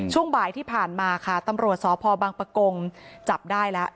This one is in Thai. ช่วงบ่ายที่ผ่านมาค่ะตำรวจสพบังปะกงจับได้แล้ว